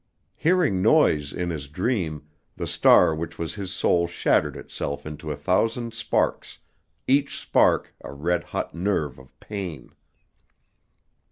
Hearing noise in his dream, the star which was his soul shattered itself into a thousand sparks, each spark a red hot nerve of pain.